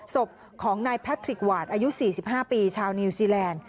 ศพของนายแพทริกวาดอายุ๔๕ปีชาวนิวซีแลนด์